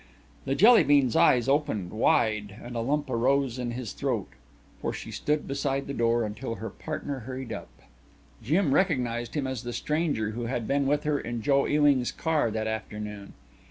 The Jelly bean's eyes opened wide and a lump arose in his throat. For she stood beside the door until her partner hurried up. Jim recognized him as the stranger who had been with her in Joe Ewing's car that afternoon.